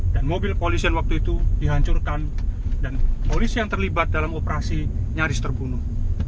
dan mobil polisian waktu itu dihancurkan dan polisian terlibat dalam operasi nyaris terbunuh